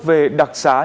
về đặc sản